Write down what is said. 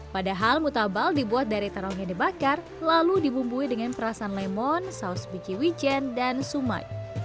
padahal mutabal dibuat dari terong yang dibakar lalu dibumbui dengan perasan lemon saus biji wijen dan sumai